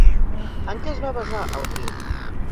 En què es va basar el film?